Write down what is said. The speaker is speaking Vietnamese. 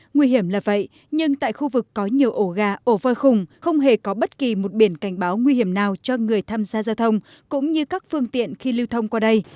nguy hiểm là vậy nhưng tại khu vực có nhiều ổ gà ổ voi khủng không hề có bất kỳ một biển cảnh báo nguy hiểm nào cho người tham gia giao thông cũng như các phương tiện khi lưu thông qua đây